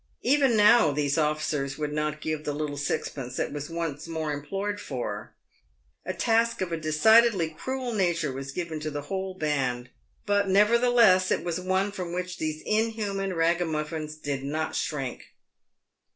Even now these officers would not give the "little sixpence" that was once more implored for. A task of a decidedly cruel nature was given to the whole band, but nevertheless it was one from which these inhuman raga muffins did not shrink.